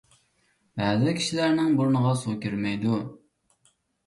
بەزى كىشىلەرنىڭ بۇرنىغا سۇ كىرمەيدۇ.